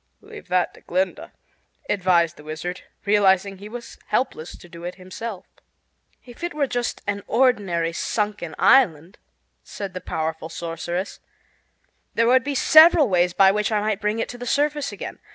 "Leave that to Glinda," advised the Wizard, realizing he was helpless to do it himself. "If it were just an ordinary sunken island," said the powerful sorceress, "there would be several ways by which I might bring it to the surface again.